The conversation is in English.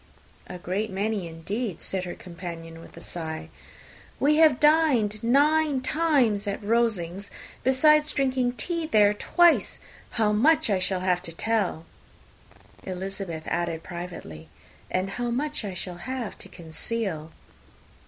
"A great many indeed," said her companion, with a sigh. "We have dined nine times at Rosings, besides drinking tea there twice! How much I shall have to tell!" Elizabeth privately added, "And how much I shall have to conceal!"